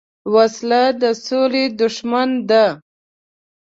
وسله د سولې دښمن ده